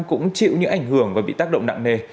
cũng chịu những ảnh hưởng và bị tác động nặng nề